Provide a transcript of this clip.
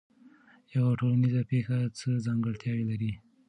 یوه ټولنیزه پېښه څه ځانګړتیاوې لري؟